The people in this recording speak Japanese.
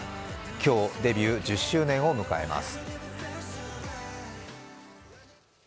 今日、デビュー１０周年を迎えます。